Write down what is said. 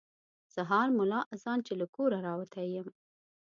سهار ملا اذان چې له کوره راوتی یم.